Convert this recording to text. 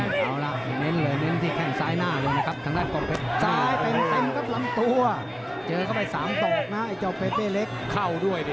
เอาล่ะเน้นเลยเน้นที่แค่งซ้ายหน้าเลยนะครับ